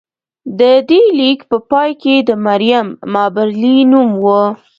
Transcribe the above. د دې لیک په پای کې د مریم مابرلي نوم و